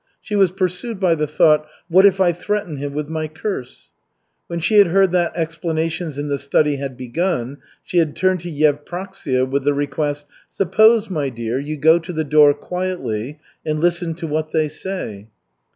She was pursued by the thought, "What if I threaten him with my curse?" When she had heard that explanations in the study had begun, she had turned to Yevpraksia with the request: "Suppose, my dear, you go to the door quietly and listen to what they say."